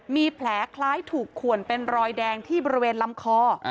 มีแผลคล้ายถูกขวนเป็นรอยแดงที่บริเวณลำคอ